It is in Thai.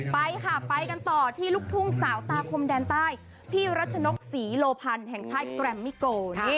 ไปค่ะไปกันต่อที่ลูกทุ่งสาวตาคมแดนใต้พี่รัชนกศรีโลพันธ์แห่งค่ายแกรมมิโก